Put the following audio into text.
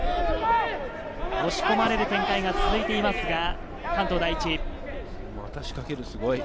押し込まれる展開が続いていますが、関東第一。